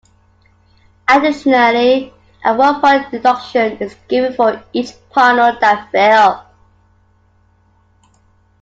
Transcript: Additionally, a one-point deduction is given for each partner that fell.